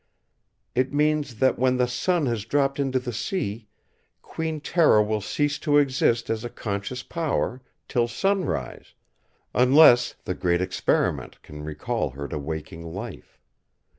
It means that when the sun has dropped into the sea, Queen Tera will cease to exist as a conscious power, till sunrise; unless the Great Experiment can recall her to waking life.